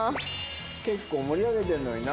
結構盛り上げてんのにな。